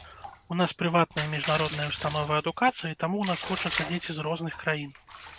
У нас прыватная міжнародная ўстанова адукацыі, таму ў нас вучацца дзеці з розных краін.